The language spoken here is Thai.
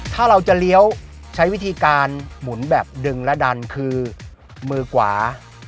ถ้าเราจะเลี้ยวใช้วิธีการหมุนแบบดึงและดันคือมือขวา